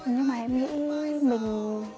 nhưng mà em nghĩ mình